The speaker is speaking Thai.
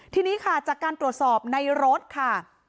ทีนี้ค่ะจากการตรวจสอบในรถค่ะ